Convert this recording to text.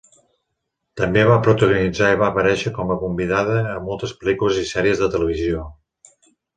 També va protagonitzar i va aparèixer com a convidada a moltes pel·lícules i sèries de televisió.